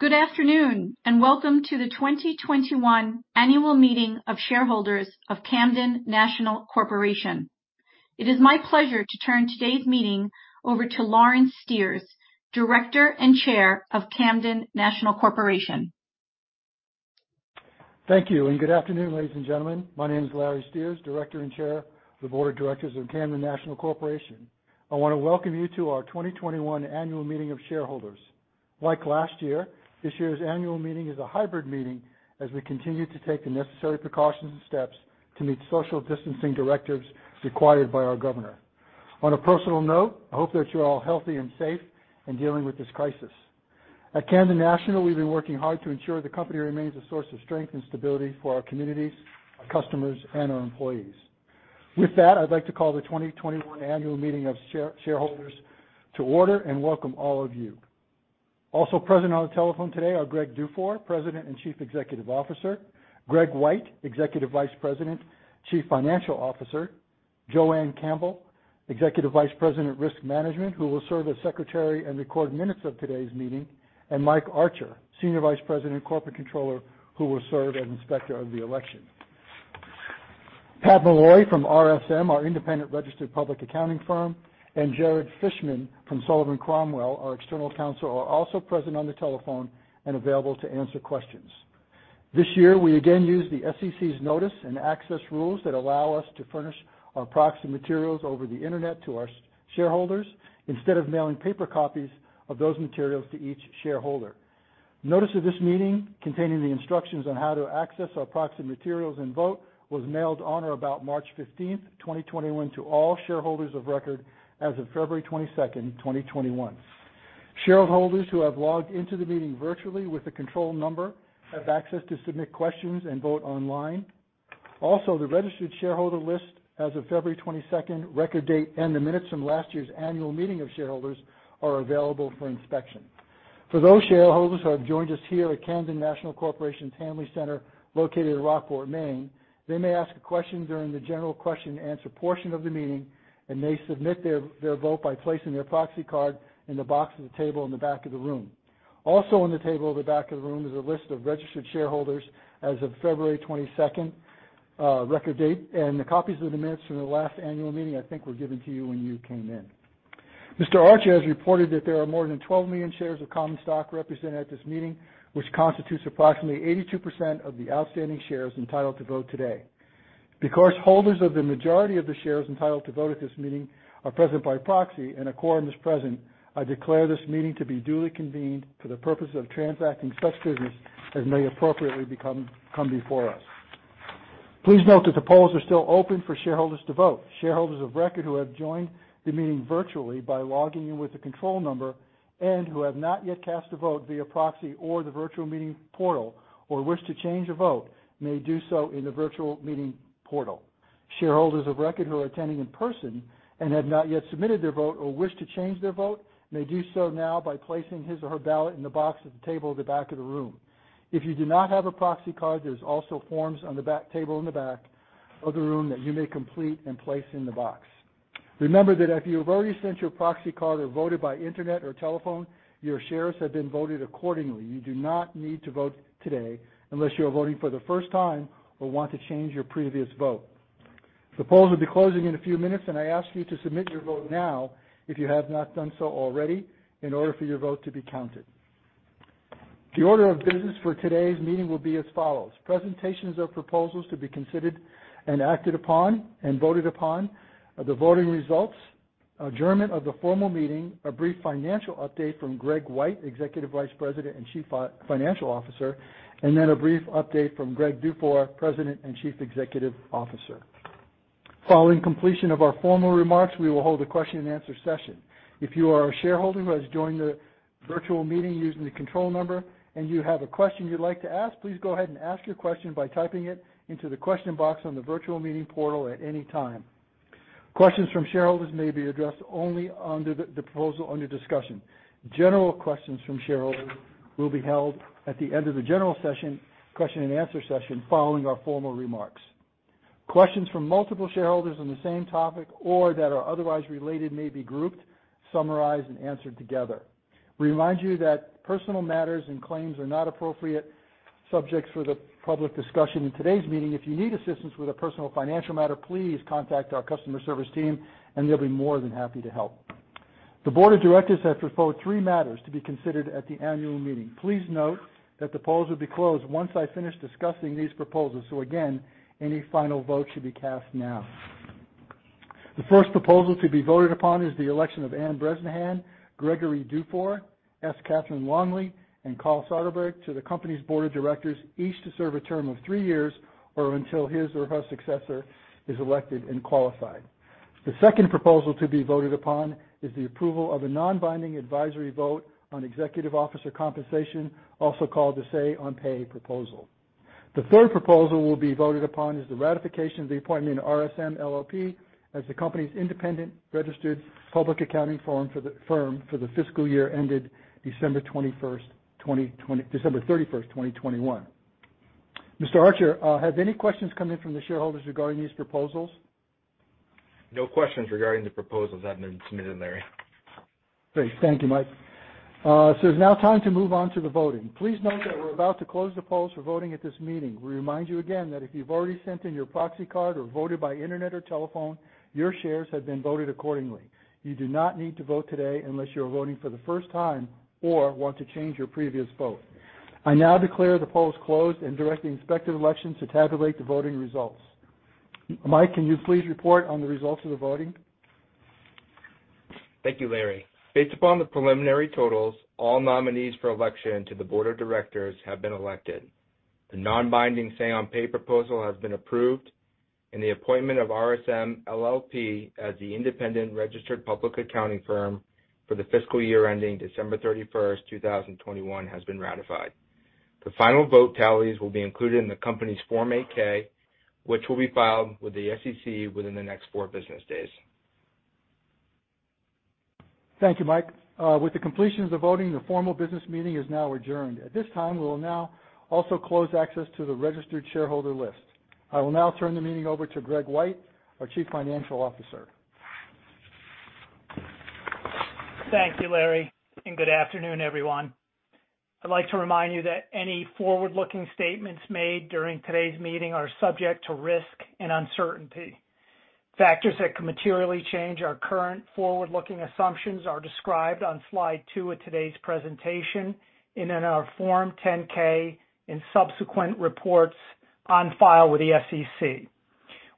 Good afternoon. Welcome to the 2021 annual meeting of shareholders of Camden National Corporation. It is my pleasure to turn today's meeting over to Lawrence Sterrs, Director and Chair of Camden National Corporation. Thank you. Good afternoon, ladies and gentlemen. My name is Lawrence Sterrs, Director and Chair of the Board of Directors of Camden National Corporation. I want to welcome you to our 2021 annual meeting of shareholders. Like last year, this year's annual meeting is a hybrid meeting as we continue to take the necessary precautions and steps to meet social distancing directives required by our governor. On a personal note, I hope that you're all healthy and safe in dealing with this crisis. At Camden National, we've been working hard to ensure the company remains a source of strength and stability for our communities, our customers, and our employees. With that, I'd like to call the 2021 annual meeting of shareholders to order and welcome all of you. Also present on the telephone today are Greg Dufour, President and Chief Executive Officer, Greg White, Executive Vice President, Chief Financial Officer, Joanne Campbell, Executive Vice President of Risk Management, who will serve as secretary and record minutes of today's meeting, and Mike Archer, Senior Vice President and Corporate Controller, who will serve as inspector of the election. Pat Malory from RSM, our independent registered public accounting firm, and Jared Fishman from Sullivan & Cromwell, our external counsel, are also present on the telephone and available to answer questions. This year, we again use the SEC's notice and access rules that allow us to furnish our proxy materials over the internet to our shareholders instead of mailing paper copies of those materials to each shareholder. Notice of this meeting, containing the instructions on how to access our proxy materials and vote, was mailed on or about March 15th, 2021, to all shareholders of record as of February 22nd, 2021. Shareholders who have logged into the meeting virtually with a control number have access to submit questions and vote online. Also, the registered shareholder list as of February 22nd record date, and the minutes from last year's annual meeting of shareholders are available for inspection. For those shareholders who have joined us here at Camden National Corporation's Hanley Center located in Rockport, Maine, they may ask a question during the general question and answer portion of the meeting and may submit their vote by placing their proxy card in the box of the table in the back of the room. Also on the table at the back of the room, there's a list of registered shareholders as of February 22nd record date, and the copies of the minutes from the last annual meeting I think were given to you when you came in. Mr. Archer has reported that there are more than 12 million shares of common stock represented at this meeting, which constitutes approximately 82% of the outstanding shares entitled to vote today. Because holders of the majority of the shares entitled to vote at this meeting are present by proxy and a quorum is present, I declare this meeting to be duly convened for the purpose of transacting such business as may appropriately come before us. Please note that the polls are still open for shareholders to vote. Shareholders of record who have joined the meeting virtually by logging in with a control number and who have not yet cast a vote via proxy or the virtual meeting portal or wish to change a vote may do so in the virtual meeting portal. Shareholders of record who are attending in person and have not yet submitted their vote or wish to change their vote may do so now by placing his or her ballot in the box at the table at the back of the room. If you do not have a proxy card, there's also forms on the table in the back of the room that you may complete and place in the box. Remember that if you have already sent your proxy card or voted by internet or telephone, your shares have been voted accordingly. You do not need to vote today unless you are voting for the first time or want to change your previous vote. The polls will be closing in a few minutes, and I ask you to submit your vote now if you have not done so already in order for your vote to be counted. The order of business for today's meeting will be as follows: presentations of proposals to be considered and acted upon and voted upon, the voting results, adjournment of the formal meeting, a brief financial update from Greg White, Executive Vice President and Chief Financial Officer, and then a brief update from Greg Dufour, President and Chief Executive Officer. Following completion of our formal remarks, we will hold a question and answer session. If you are a shareholder who has joined the virtual meeting using the control number and you have a question you'd like to ask, please go ahead and ask your question by typing it into the question box on the virtual meeting portal at any time. Questions from shareholders may be addressed only under the proposal under discussion. General questions from shareholders will be held at the end of the general question and answer session following our formal remarks. Questions from multiple shareholders on the same topic or that are otherwise related may be grouped, summarized, and answered together. We remind you that personal matters and claims are not appropriate subjects for the public discussion in today's meeting. If you need assistance with a personal financial matter, please contact our customer service team and they'll be more than happy to help. The board of directors have proposed three matters to be considered at the annual meeting. Please note that the polls will be closed once I finish discussing these proposals. Again, any final vote should be cast now. The first proposal to be voted upon is the election of Ann Bresnahan, Gregory Dufour, S. Catherine Longley, and Carl Soderberg to the company's board of directors, each to serve a term of three years or until his or her successor is elected and qualified. The second proposal to be voted upon is the approval of a non-binding advisory vote on executive officer compensation, also called the Say on Pay proposal. The third proposal will be voted upon is the ratification of the appointment of RSM LLP as the company's independent registered public accounting firm for the fiscal year ended December 31st, 2021. Mr. Archer, have any questions come in from the shareholders regarding these proposals? No questions regarding the proposals have been submitted, Larry. Great. Thank you, Mike. It is now time to move on to the voting. Please note that we're about to close the polls for voting at this meeting. We remind you again that if you've already sent in your proxy card or voted by internet or telephone, your shares have been voted accordingly. You do not need to vote today unless you're voting for the first time or want to change your previous vote. I now declare the polls closed and direct the Inspector of Elections to tabulate the voting results. Mike, can you please report on the results of the voting? Thank you, Larry Sterrs. Based upon the preliminary totals, all nominees for election to the board of directors have been elected. The non-binding Say on Pay proposal has been approved, and the appointment of RSM LLP as the independent registered public accounting firm for the fiscal year ending December 31st, 2021, has been ratified. The final vote tallies will be included in the company's Form 8-K, which will be filed with the SEC within the next four business days. Thank you, Mike. With the completion of the voting, the formal business meeting is now adjourned. At this time, we will now also close access to the registered shareholder list. I will now turn the meeting over to Greg White, our Chief Financial Officer. Thank you, Larry. Good afternoon, everyone. I'd like to remind you that any forward-looking statements made during today's meeting are subject to risk and uncertainty. Factors that could materially change our current forward-looking assumptions are described on slide two of today's presentation and in our Form 10-K in subsequent reports on file with the SEC.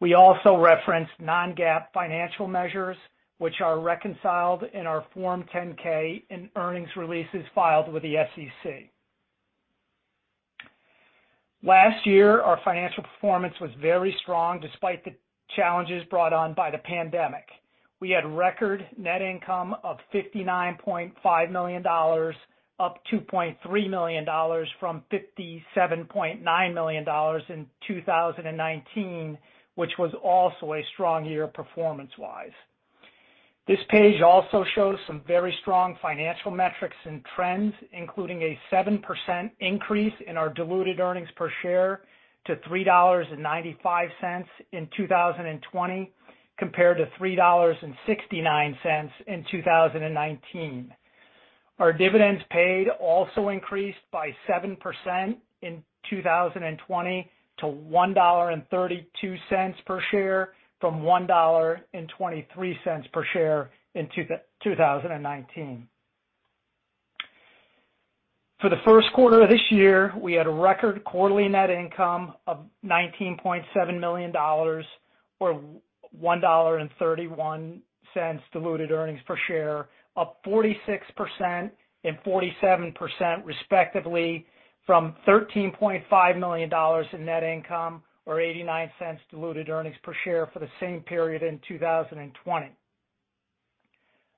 We also referenced non-GAAP financial measures, which are reconciled in our Form 10-K in earnings releases filed with the SEC. Last year, our financial performance was very strong despite the challenges brought on by the pandemic. We had record net income of $59.5 million, up $2.3 million from $57.9 million in 2019, which was also a strong year performance-wise. This page also shows some very strong financial metrics and trends, including a 7% increase in our diluted earnings per share to $3.95 in 2020, compared to $3.69 in 2019. Our dividends paid also increased by 7% in 2020 to $1.32 per share from $1.23 per share in 2019. For the first quarter of this year, we had a record quarterly net income of $19.7 million, or $1.31 diluted earnings per share, up 46% and 47% respectively from $13.5 million in net income, or $0.89 diluted earnings per share for the same period in 2020.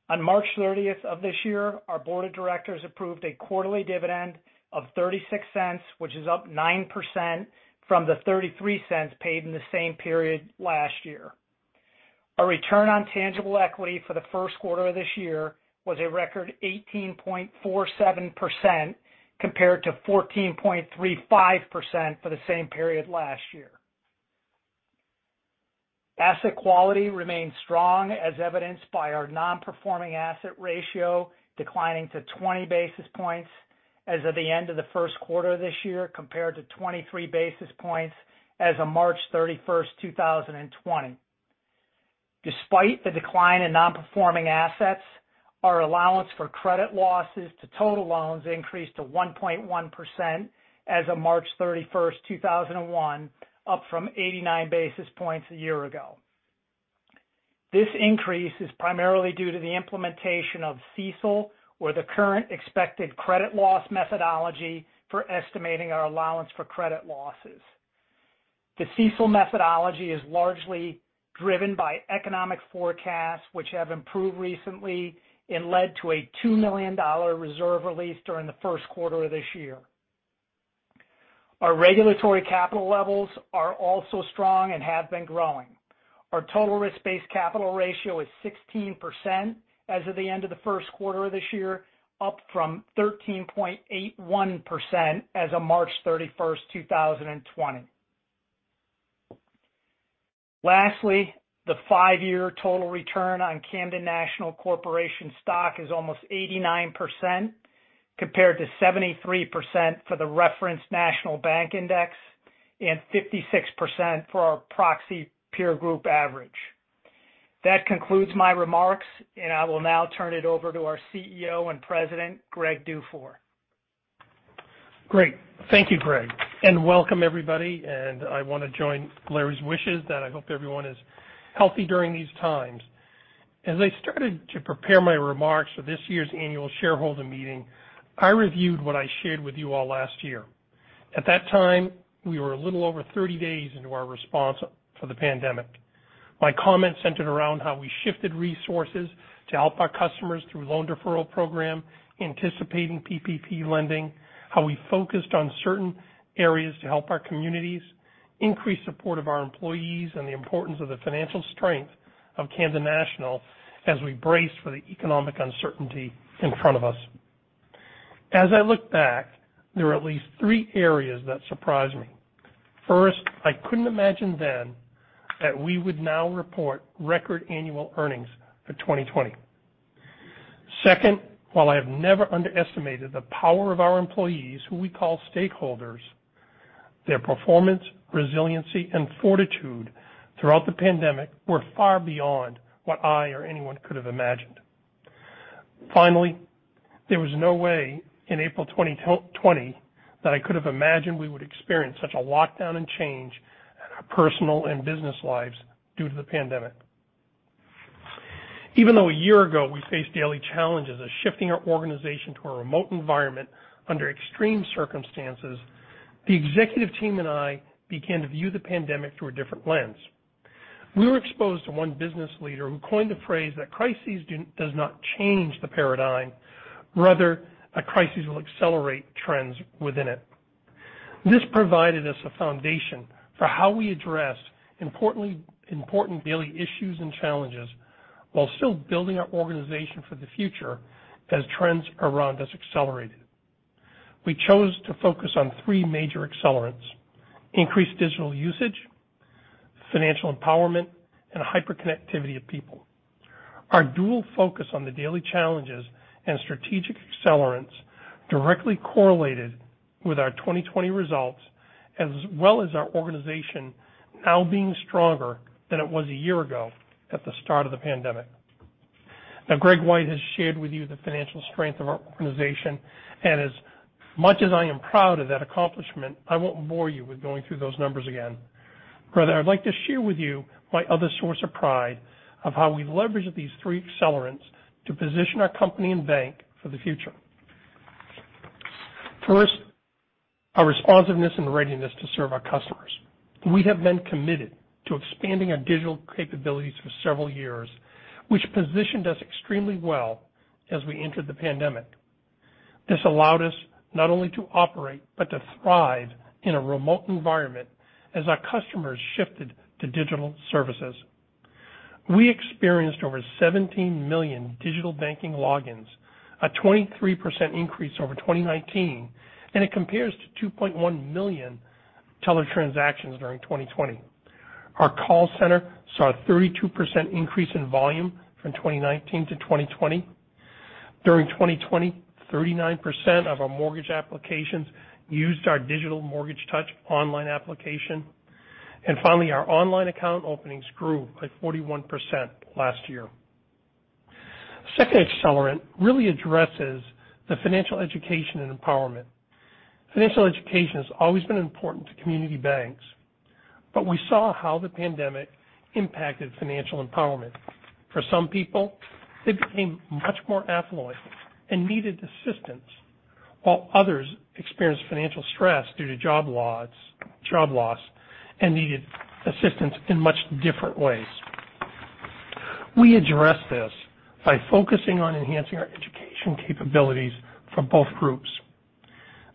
On March 30th of this year, our board of directors approved a quarterly dividend of $0.36, which is up 9% from the $0.33 paid in the same period last year. Our return on tangible equity for the first quarter of this year was a record 18.47%, compared to 14.35% for the same period last year. Asset quality remains strong as evidenced by our non-performing asset ratio declining to 20 basis points as of the end of the first quarter of this year, compared to 23 basis points as of March 31st, 2020. Despite the decline in non-performing assets, our allowance for credit losses to total loans increased to 1.1% as of March 31st, 2021, up from 89 basis points a year ago. This increase is primarily due to the implementation of CECL, or the current expected credit loss methodology for estimating our allowance for credit losses. The CECL methodology is largely driven by economic forecasts, which have improved recently and led to a $2 million reserve release during the first quarter of this year. Our regulatory capital levels are also strong and have been growing. Our total risk-based capital ratio is 16% as of the end of the first quarter of this year, up from 13.81% as of March 31st, 2020. Lastly, the five-year total return on Camden National Corporation stock is almost 89%, compared to 73% for the reference National Bank Index and 56% for our proxy peer group average. That concludes my remarks, and I will now turn it over to our Chief Executive Officer and President, Greg Dufour. Great. Thank you, Greg. Welcome, everybody. I want to join Lawrence's wishes that I hope everyone is healthy during these times. As I started to prepare my remarks for this year's annual shareholder meeting, I reviewed what I shared with you all last year. At that time, we were a little over 30 days into our response for the pandemic. My comments centered around how we shifted resources to help our customers through loan deferral program, anticipating PPP lending, how we focused on certain areas to help our communities, increased support of our employees, and the importance of the financial strength of Camden National as we braced for the economic uncertainty in front of us. As I look back, there are at least three areas that surprise me. First, I couldn't imagine then that we would now report record annual earnings for 2020. Second, while I have never underestimated the power of our employees, who we call stakeholders, their performance, resiliency, and fortitude throughout the pandemic were far beyond what I or anyone could have imagined. Finally, there was no way in April 2020 that I could have imagined we would experience such a lockdown and change in our personal and business lives due to the pandemic. Even though a year ago we faced daily challenges of shifting our organization to a remote environment under extreme circumstances, the executive team and I began to view the pandemic through a different lens. We were exposed to one business leader who coined the phrase that crisis does not change the paradigm. Rather, a crisis will accelerate trends within it. This provided us a foundation for how we address important daily issues and challenges while still building our organization for the future as trends around us accelerated. We chose to focus on three major accelerants. Increased digital usage, financial empowerment, and hyperconnectivity of people. Our dual focus on the daily challenges and strategic accelerants directly correlated with our 2020 results, as well as our organization now being stronger than it was a year ago at the start of the pandemic. Now, Greg White has shared with you the financial strength of our organization, and as much as I am proud of that accomplishment, I won't bore you with going through those numbers again. Rather, I'd like to share with you my other source of pride of how we leveraged these three accelerants to position our company and bank for the future. First, our responsiveness and readiness to serve our customers. We have been committed to expanding our digital capabilities for several years, which positioned us extremely well as we entered the pandemic. This allowed us not only to operate, but to thrive in a remote environment as our customers shifted to digital services. We experienced over 17 million digital banking logins, a 23% increase over 2019, and it compares to 2.1 million teller transactions during 2020. Our call center saw a 32% increase in volume from 2019-2020. During 2020, 39% of our mortgage applications used our digital MortgageTouch online application. Finally, our online account openings grew by 41% last year. Second accelerant really addresses the financial education and empowerment. Financial education has always been important to community banks, but we saw how the pandemic impacted financial empowerment. For some people, they became much more affluent and needed assistance, while others experienced financial stress due to job loss and needed assistance in much different ways. We addressed this by focusing on enhancing our education capabilities for both groups.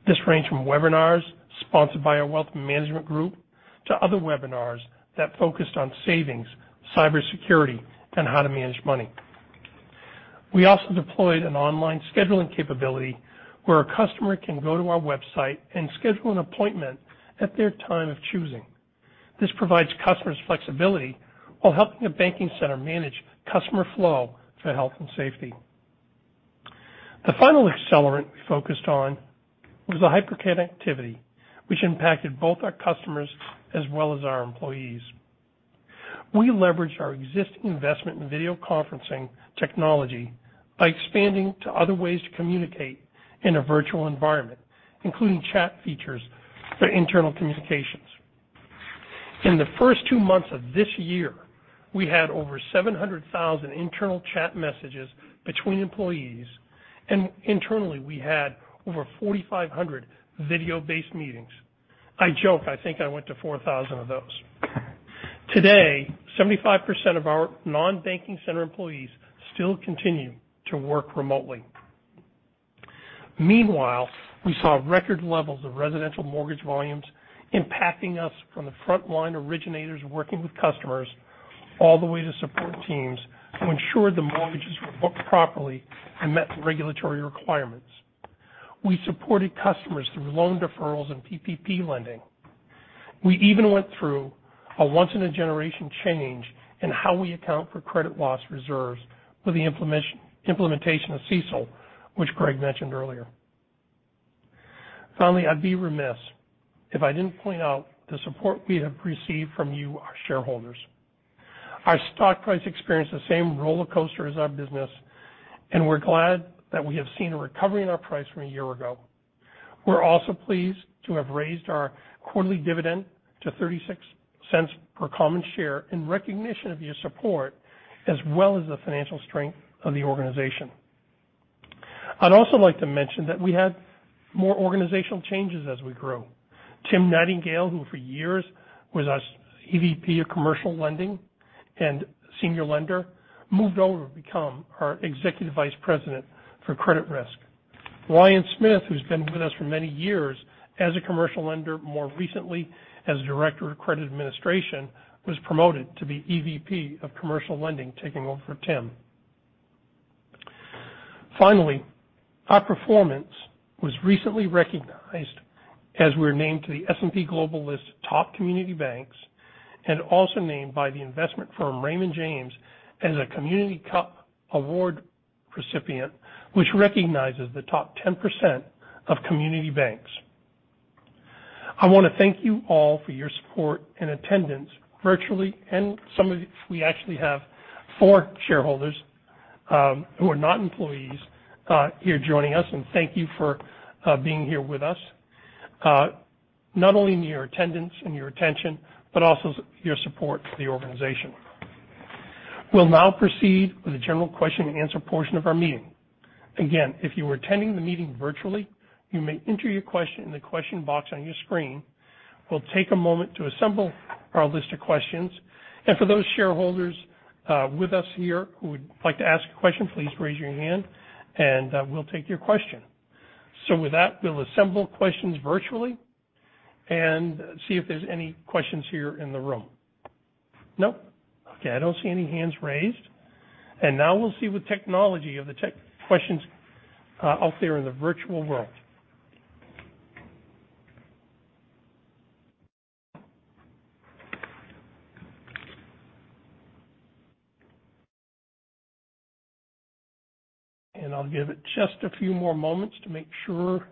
This ranged from webinars sponsored by our wealth management group to other webinars that focused on savings, cybersecurity, and how to manage money. We also deployed an online scheduling capability where a customer can go to our website and schedule an appointment at their time of choosing. This provides customers flexibility while helping a banking center manage customer flow for health and safety. The final accelerant we focused on was the hyperconnectivity, which impacted both our customers as well as our employees. We leveraged our existing investment in video conferencing technology by expanding to other ways to communicate in a virtual environment, including chat features for internal communications. In the first two months of this year, we had over 700,000 internal chat messages between employees, and internally, we had over 4,500 video-based meetings. I joke, I think I went to 4,000 of those. Today, 75% of our non-banking center employees still continue to work remotely. Meanwhile, we saw record levels of residential mortgage volumes impacting us from the frontline originators working with customers all the way to support teams to ensure the mortgages were booked properly and met the regulatory requirements. We supported customers through loan deferrals and PPP lending. We even went through a once-in-a-generation change in how we account for credit loss reserves with the implementation of CECL, which Greg mentioned earlier. Finally, I'd be remiss if I didn't point out the support we have received from you, our shareholders. Our stock price experienced the same roller coaster as our business. We're glad that we have seen a recovery in our price from a year ago. We're also pleased to have raised our quarterly dividend to $0.36 per common share in recognition of your support, as well as the financial strength of the organization. I'd also like to mention that we had more organizational changes as we grow. Tim Nightingale, who for years was our EVP of Commercial Lending and Senior Lender, moved over to become our Executive Vice President for Credit Risk. Ryan Smith, who's been with us for many years as a commercial lender, more recently as Director of Credit Administration, was promoted to be Executive Vice President of Commercial Lending, taking over for Tim. Finally, our performance was recently recognized as we're named to the S&P Global list of top community banks, and also named by the investment firm Raymond James, as a Community Bankers Cup recipient, which recognizes the top 10% of community banks. I want to thank you all for your support and attendance virtually, and some of you. We actually have four shareholders who are not employees here joining us, and thank you for being here with us. Not only your attendance and your attention, but also your support for the organization. We'll now proceed with the general question and answer portion of our meeting. If you are attending the meeting virtually, you may enter your question in the question box on your screen. We'll take a moment to assemble our list of questions. For those shareholders with us here who would like to ask a question, please raise your hand and we'll take your question. With that, we'll assemble questions virtually and see if there's any questions here in the room. No? Okay, I don't see any hands raised. Now we'll see with technology of the tech questions out there in the virtual world. I'll give it just a few more moments to make sure.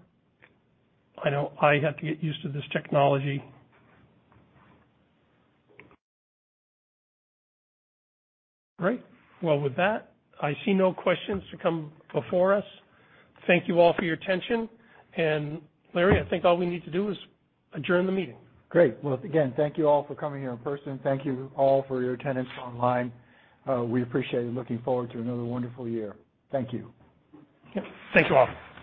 I have to get used to this technology. Great. With that, I see no questions to come before us. Thank you all for your attention. Larry, I think all we need to do is adjourn the meeting. Great. Well, again, thank you all for coming here in person. Thank you all for your attendance online. We appreciate it. Looking forward to another wonderful year. Thank you. Yep. Thank you all.